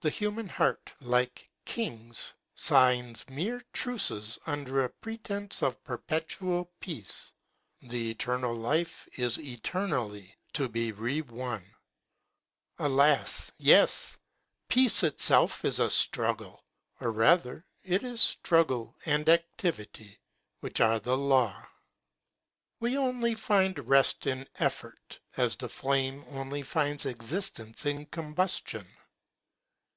The human heart, like kings, signs mere truces under a pre tence of perpetual peace. The eternal life is eternally to be re won. Alas, yes! peace itself is a struggle, or rather it is struggle and activity which are the law. We only 22 AMIEL'S JOURNAL. { find rest in effort, as the flame only finds existence in combustion.